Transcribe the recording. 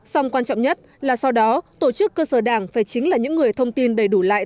song quan trọng nhất là sau đó tổ chức cơ sở đảng phải chính là những người thông tin đầy đủ lại